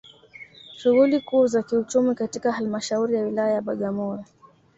Shughuli kuu za kiuchumi katika Halmashauri ya Wilaya ya Bagamoyo